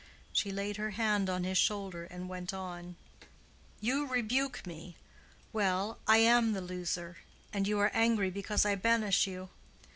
She laid her hand on his shoulder and went on, "You rebuke me. Well—I am the loser. And you are angry because I banish you.